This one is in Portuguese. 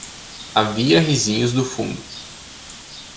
Havia risinhos do fundo.